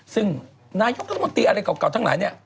ซึ่งนายกรัฐมนตรีอะไรเก่าทั้งหลายเนี่ย